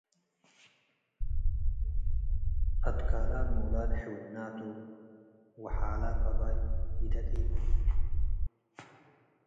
አትካላል ሞላድ ሕውነ ቱ፡ ወሓላፍ አባይ ኢደቂብ።